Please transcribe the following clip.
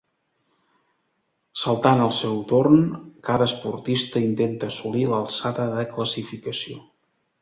Saltant al seu torn, cada esportista intenta assolir l'alçada de classificació.